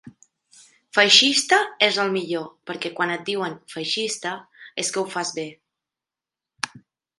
Feixista és el millor, perquè quan et diuen feixista és que ho fas bé.